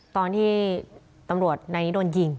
ตอนที่ตำรวจในนี้โดนยิง